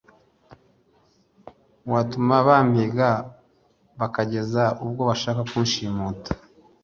watuma bampiga bakageza ubwo bashaka kunshimuta